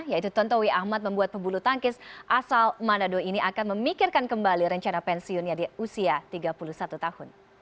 yaitu tontowi ahmad membuat pebulu tangkis asal manado ini akan memikirkan kembali rencana pensiunnya di usia tiga puluh satu tahun